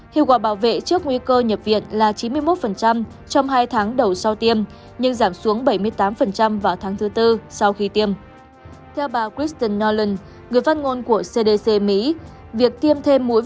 hiệu quả bảo vệ trước nguy cơ nhập viện là chín mươi một trong hai tháng đầu sau tiêm nhưng giảm xuống bảy mươi tám vào tháng thứ tư sau khi tiêm